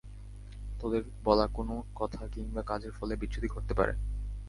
তোদের বলা কোনো কথা কিংবা কাজের ফলে বিচ্যুতি ঘটতে পারে।